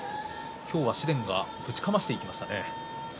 今日は紫雷がぶちかましていきましたね。